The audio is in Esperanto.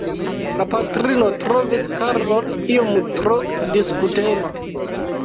La patrino trovis Karlon iom tro diskutema.